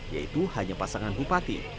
yaitu hanya pasangan bupati